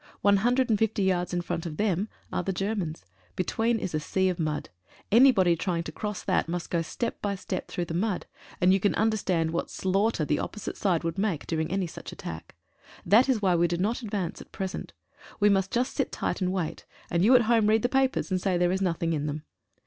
One hundred and fifty yards in front of them are the Germans. Be tween is a sea of mud. Anybody trying to cross that must go step by step through the mud, and you can understand what slaughter the opposite side would make during any such attack. That is why we do not advance at present. We must just sit tight, and wait, and you at home read the papers, and say there is nothing in them.